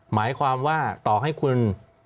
หมายความว่าต่อให้คุณ